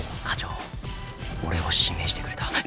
課長俺を指名してくれた。